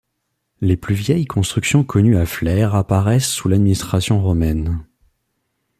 Les plus vieilles constructions connues à Flers apparaissent sous l’administration romaine.